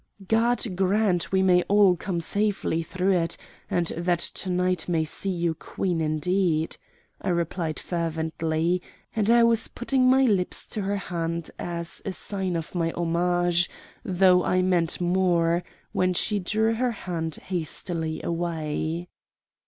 "God grant we may all come safely through it, and that to night may see you Queen indeed," I replied fervently; and I was putting my lips to her hand as a sign of my homage, though I meant more, when she drew her hand hastily away.